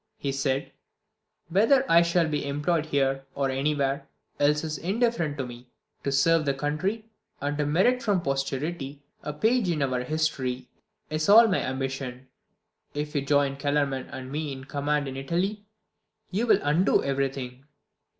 He said, "Whether I shall be employed here or anywhere else is indifferent to me: to serve the country, and to merit from posterity a page in our history, is all my ambition. If you join Kellerman and me in command in Italy you will undo everything.